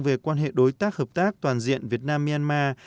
về quan hệ đối tác hợp tác toàn diện việt nam myanmar